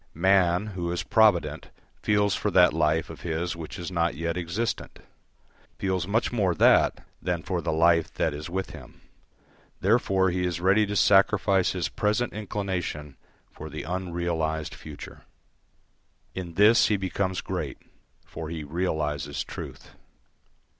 Man, who is provident, feels for that life of his which is not yet existent, feels much more that than for the life that is with him; therefore he is ready to sacrifice his present inclination for the unrealised future. In this he becomes great, for he realises truth.